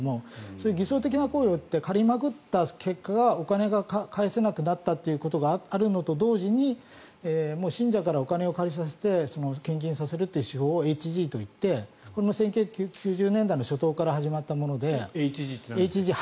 そういう行為をやって借りまくった結果がお金が返せなくなったということがあるのと同時に信者からお金を借りさせて献金させるという手法をＨＧといってこれも１９９０年代の初頭から始まったもので。